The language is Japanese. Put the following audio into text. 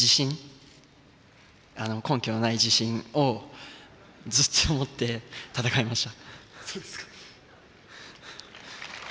根拠のない自信をずっと持って戦いました。